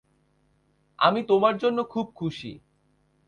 আমি তোমার জন্য খুব খুশী।